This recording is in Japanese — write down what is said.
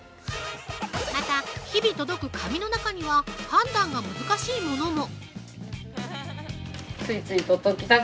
また、日々届く紙の中には、判断が難しいものも。